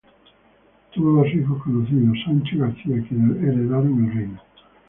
Tuvo dos hijos conocidos, Sancho y García quienes heredaron el reino.